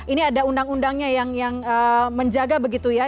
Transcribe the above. ini ada undang undangnya yang menjaga begitu ya